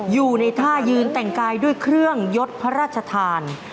อยู่ในท่ายืนแต่งกายด้วยเครื่องยดพระราชทาน